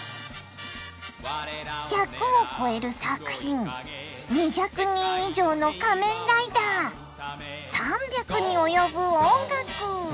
１００を超える作品２００人以上の仮面ライダー３００に及ぶ音楽。